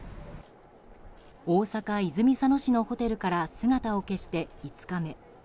大阪・泉佐野市のホテルから姿を消して５日目。